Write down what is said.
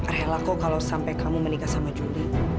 rehelaku kalau sampai kamu menikah sama juli